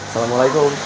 terima kasih pak